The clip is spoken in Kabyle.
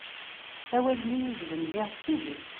Awal-nni yuzzlen ziɣ d tidet.